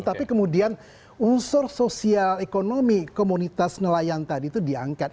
tapi kemudian unsur sosial ekonomi komunitas nelayan tadi itu diangkat